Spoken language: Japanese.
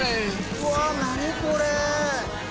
うわ何これ！？